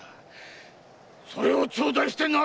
それを頂戴してなぜ悪い⁉